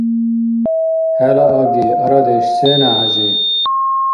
ХӀела аги, арадеш сена, ХӀяжи?